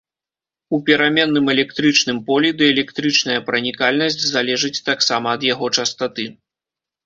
У пераменным электрычным полі дыэлектрычная пранікальнасць залежыць таксама ад яго частаты.